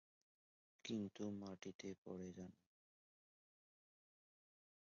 কিন্তু মাটিতে পড়ে যান।